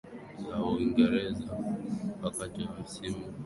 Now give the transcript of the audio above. La Uingereza wakati wa msimu wa kwanza huko alisaidia Machester United